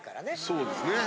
そうですね。